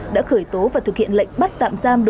đã khởi tố và thực hiện lệnh bắt tạm giam